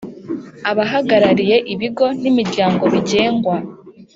Abahagarariye ibigo n imiryango bigengwa